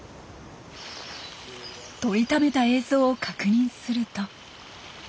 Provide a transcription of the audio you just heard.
撮りためた映像を確認すると。